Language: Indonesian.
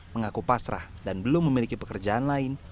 mengaku pasrah dan belum memiliki pekerjaan lain